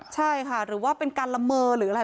ใช่ค่ะหรือว่าเป็นการละเมอหรืออะไร